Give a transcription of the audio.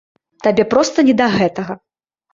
Табе проста не да гэтага.